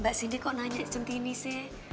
mbak sindi kok nanya sentini sih